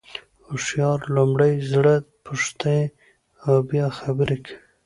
هوښیار لومړی زړه پوښتي او بیا خبري کوي.